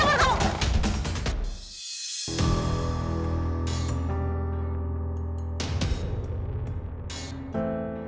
malin jangan lupa